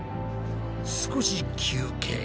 少し休憩。